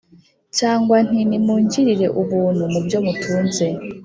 cyangwa nti ‘nimungirire ubuntu mu byo mutunze’’